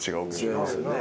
違いますよね。